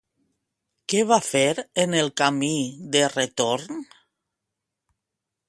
Què va fer en el camí de retorn?